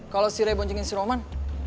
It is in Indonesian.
kalau si ray boncengin si roman